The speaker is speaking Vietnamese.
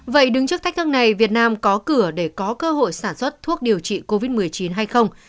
vậy đứng trước thách thức này việt nam có cửa để có cơ hội sản xuất thuốc điều trị covid một mươi chín hay không